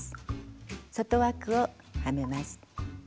外枠をはめます。